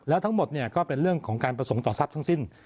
แล้วทั้งหมดก็เป็นเรื่องของการประสงค์ต่อทรัพย์ทั้งสิ้น